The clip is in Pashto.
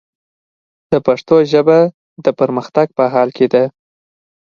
د پښتو ژبه، د پرمختګ په حال کې ده.